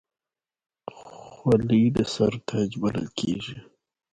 خولۍ د سر تاج بلل کېږي.